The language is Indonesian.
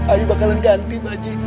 ayah bakalan ganti pak haji